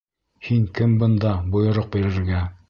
Һин кем бында бойороҡ бирергә?